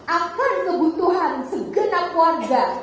akan kebutuhan segenap warga